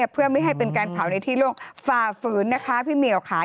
เพื่อไม่ให้เป็นการเผาในที่โลกฝ่าฝืนนะคะพี่เหมียวค่ะ